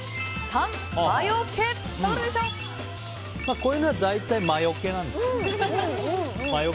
こういうのは大体、魔除けなんです。